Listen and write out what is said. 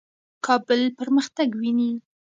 کابل پرمختګ ویني.